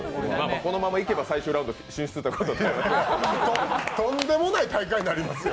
このままいけば最終ラウンド進出ということで、とんでもない大会になりますよ。